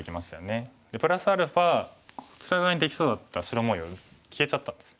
プラスアルファこちら側にできそうだった白模様消えちゃったんです。